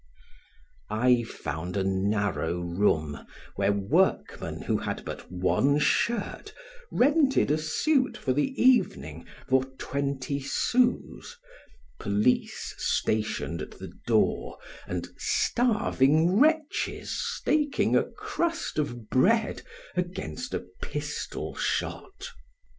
I found a narrow room where workmen who had but one shirt, rented a suit for the evening for twenty sous, police stationed at the door and starving wretches staking a crust of bread against a pistol shot.